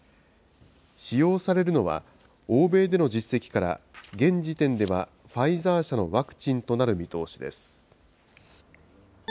使用されるのは、欧米での実績から、現時点ではファイザー社のワクチンとなる見通しです。